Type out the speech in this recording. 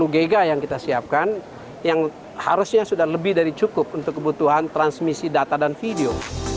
tiga puluh gb yang kita siapkan yang harusnya sudah lebih dari cukup untuk kebutuhan transmisi data dan video